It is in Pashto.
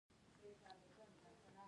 توکي پلورل کیږي او نور توکي پیرل کیږي.